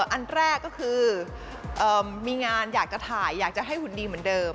อันแรกก็คือมีงานอยากจะถ่ายอยากจะให้หุ่นดีเหมือนเดิม